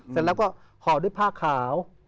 เสร็จแล้วก็ห่อด้วยผ้าขาว